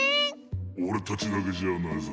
「おれたちだけじゃないぞ」。